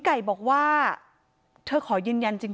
ทรัพย์สินที่เป็นของฝ่ายหญิง